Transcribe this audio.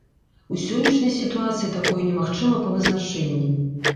У сённяшняй сітуацыі такое немагчыма па вызначэнні.